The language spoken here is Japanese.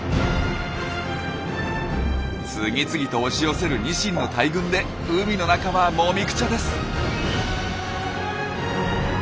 次々と押し寄せるニシンの大群で海の中はもみくちゃです。